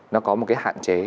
nó có một cái hạn chế